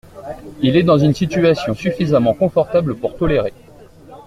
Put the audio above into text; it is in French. Il est dans une situation suffisamment confortable pour tolérer.